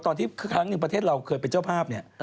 ครั้งหนึ่งประเทศเราเคยเป็นเจ้าภาพเนี่ย